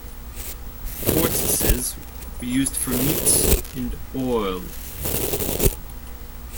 Tortoises were used for meat and oil.